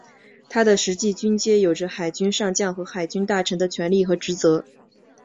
他的实际军阶有着海军上将和海军大臣的权力和职责。